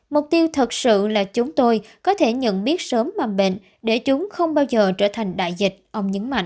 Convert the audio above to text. mục tiêu thật sự là chúng tôi có thể nhận biết sớm mầm bệnh để chúng không bao giờ trở thành đại dịch ông nhấn mạnh